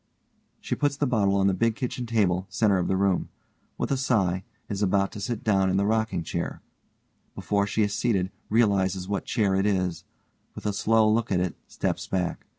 (_She puts the bottle on the big kitchen table, center of the room. With a sigh, is about to sit down in the rocking chair. Before she is seated realizes what chair it is; with a slow look at it, steps back.